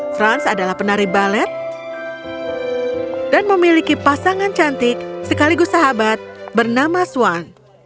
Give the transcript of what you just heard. frans adalah penari balet dan memiliki pasangan cantik sekaligus sahabat bernama swan